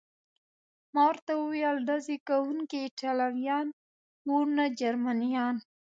ما ورته وویل: ډزې کوونکي ایټالویان و، نه جرمنیان.